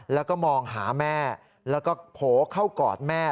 แล้วก็มองหาแม่แล้วก็โผล่เข้ากอดแม่